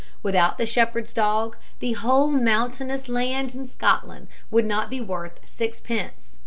Without the shepherd's dog, the whole of the mountainous land in Scotland would not be worth sixpence.